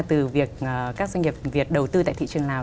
từ việc các doanh nghiệp việt đầu tư tại thị trường lào